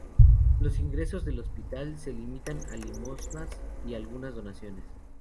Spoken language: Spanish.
Los ingresos del hospital se limitan a limosnas y algunas donaciones.